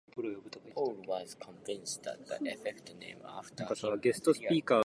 Pauli was convinced that the effect named after him was real.